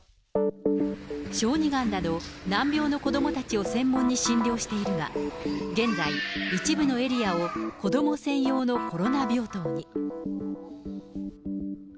小児がんなど、難病の子どもたちを専門に診療しているが、現在、一部のエリアを子ども専用のコロナ病棟に。